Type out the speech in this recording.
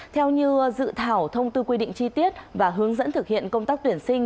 theo như dự thảo thông tư quy định chi tiết và hướng dẫn thực hiện công tác tuyển sinh